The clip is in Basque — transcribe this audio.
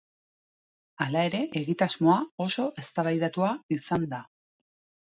Hala ere egitasmoa oso eztabaidatua izan da.